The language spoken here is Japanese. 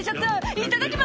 「いただきま」